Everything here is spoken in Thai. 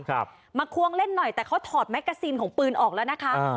ครับมาควงเล่นหน่อยแต่เขาถอดแมกกาซีนของปืนออกแล้วนะคะอ่า